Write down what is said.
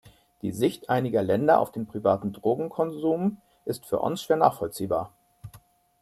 Die Sicht einiger Länder auf den privaten Drogenkonsum ist für uns schwer nachvollziehbar.